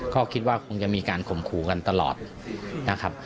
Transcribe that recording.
ก็คิดว่าคงจะมีการข่มขู่กันตลอดนะครับ